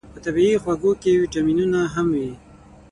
په طبیعي خوږو کې ویتامینونه هم وي.